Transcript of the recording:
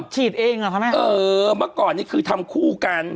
ฉีดเองเหรอคะแม่เออเมื่อก่อนนี้คือทำคู่กัน